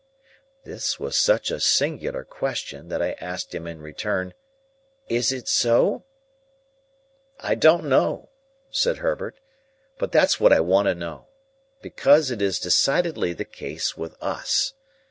This was such a singular question, that I asked him in return, "Is it so?" "I don't know," said Herbert, "that's what I want to know. Because it is decidedly the case with us.